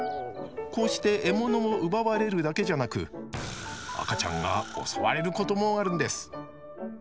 こうして獲物を奪われるだけじゃなく赤ちゃんが襲われることもあるんです。